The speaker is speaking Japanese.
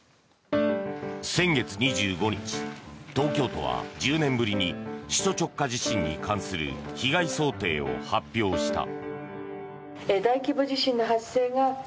先月２５日東京都は１０年ぶりに首都直下地震に関する被害想定を発表した。